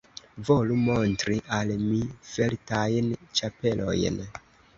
Volu montri al mi feltajn ĉapelojn.